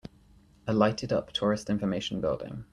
A lighted up tourist information building.